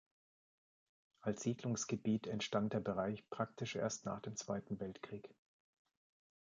Als Siedlungsgebiet entstand der Bereich praktisch erst nach dem Zweiten Weltkrieg.